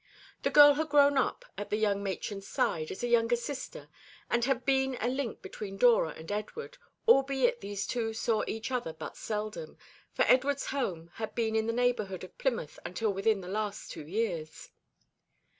The girl had grown up at the young matron's side as a younger sister, and had been a link between Dora and Edward, albeit these two saw each other but seldom, for Edward's home had been in the neighbourhood of Plymouth until within the last two years.